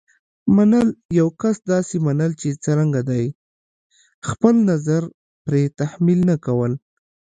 منل: یو کس داسې منل چې څرنګه دی. خپل نظر پرې تحمیل نه کول.